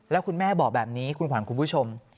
แล้วคุณแม่บอกแบบนี้คุณขวัญคุณผู้ชม